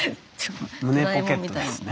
胸ポケットにですね。